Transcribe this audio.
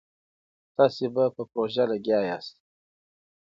تاسي به په پروژه لګيا ياست.